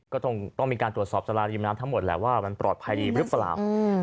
ก็ต้องมีการตรวจสอบสาราริมน้ำทั้งหมดแหละว่ามันปลอดภัยดีหรือเปล่า